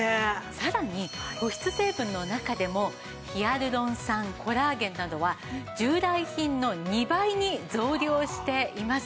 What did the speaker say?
さらに保湿成分の中でもヒアルロン酸コラーゲンなどは従来品の２倍に増量しています。